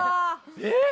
えっ！